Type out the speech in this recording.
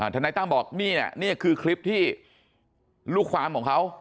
ทนายตั้มบอกนี่นี่คือคลิปที่ลูกความของเขา